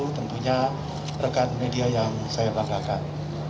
tentunya rekan media yang saya banggakan